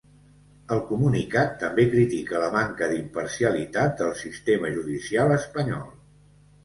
El comunicat també critica la manca d’imparcialitat del sistema judicial espanyol.